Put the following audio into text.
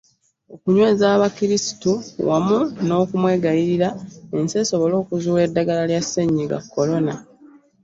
Okunyweza abakirisitu wamu n’okumwegayirira ensi esobola okuzuula eddagala lya Ssennyiga Corona.